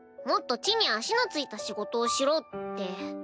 もっと地に足の着いた仕事をしろ」って。